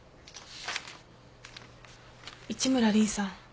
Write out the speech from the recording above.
市村凜さん。